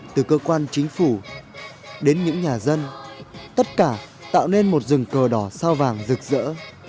từ cơ quan chính phủ đến những nhà dân tất cả tạo nên một rừng cờ đỏ sao vàng rực rỡ